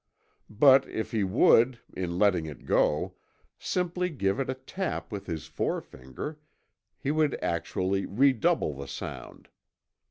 But if he would, in letting it go, simply give it a tap with his forefinger, he would actually redouble the sound.